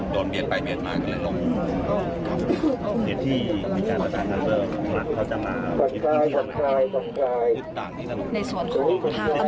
โดนเบียดไปเบียดมากก็เลยรม